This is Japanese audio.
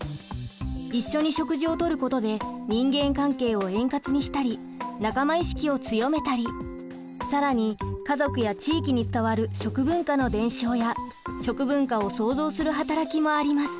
一緒に食事をとることで人間関係を円滑にしたり仲間意識を強めたり更に家族や地域に伝わる食文化の伝承や食文化を創造する働きもあります。